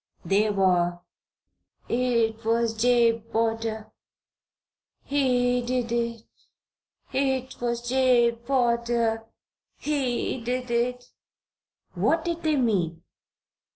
They were: "It was Jabe Potter he did it! It was Jabe Potter he did it!" What did they mean?